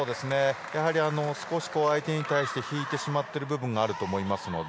やはり少し相手に対して引いてしまっている部分があると思いますので。